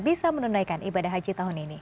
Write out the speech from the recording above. bisa menunaikan ibadah haji tahun ini